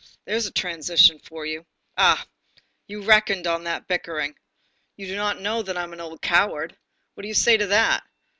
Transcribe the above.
There's a transition for you! Ah! you reckoned on a bickering! You do not know that I am an old coward. What do you say to that?